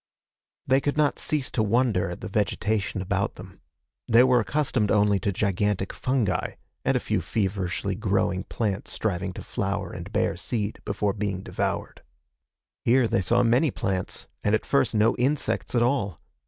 They could not cease to wonder at the vegetation about them. They were accustomed only to gigantic fungi, and a few feverishly growing plants striving to flower and bear seed before being devoured. Here they saw many plants, and at first no insects at all.